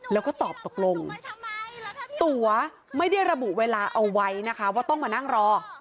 แล้วก็ตอบตกลงตัวไม่ได้ระบุเวลาเอาไว้นะคะว่าต้องมานั่งรอ